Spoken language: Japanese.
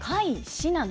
信濃